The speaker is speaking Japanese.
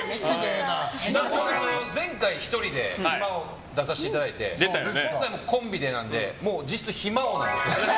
前回、１人で暇王に出させていただいて今回はコンビなので実質、暇王なんですよ。